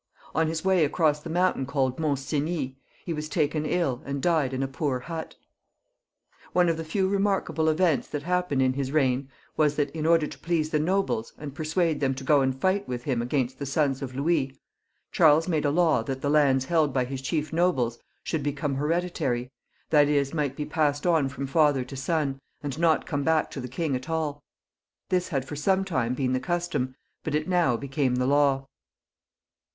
On his way across the mountain called the Mcmt Cenis, he was taken iU, and died in a poor hut. One of the few remarkable events that happened in his reign was that, in order to please the nobles, and persuade them to go and fight with him against the sons of Lo»uis, Charles made a law tbait the lands h^ld by his chief nobles should become hereditary, that is, might be passed on from father to son, and not come back, to the king at alL This had for some time been the custom, but it now became the law.